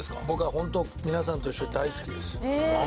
僕はホント皆さんと一緒で大好きですあっ